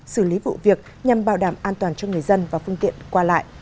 xử lý vụ việc nhằm bảo đảm an toàn cho người dân và phương tiện qua lại